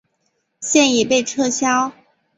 现已被撤销。